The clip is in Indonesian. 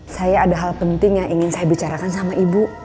saya ada hal penting yang ingin saya bicarakan sama ibu